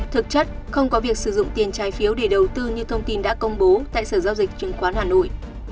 thực chất không có việc sử dụng tiền trái phiếu để đầu tư như thông tin đã công bố tại sở giao dịch chứng khoán hà nội